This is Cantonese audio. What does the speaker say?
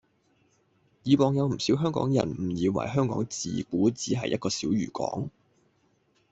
以往有唔少香港人誤以為香港自古只係一個小漁港